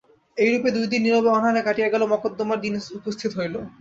এইরূপে দুইদিন নীরবে অনাহারে কাটিয়া গেল, মকদ্দমার দিন উপস্থিত হইল।